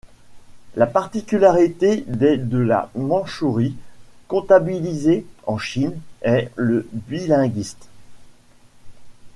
La particularité des de la Mandchourie, comptabilisés en Chine, est le bilinguisme.